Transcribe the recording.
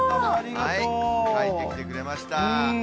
書いてきてくれました。